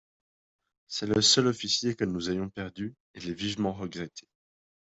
C'est le seul officier que nous ayons perdu : il est vivement regretté.